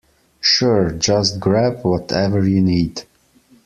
Sure, just grab whatever you need.